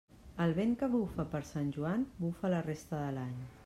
El vent que bufa per Sant Joan, bufa la resta de l'any.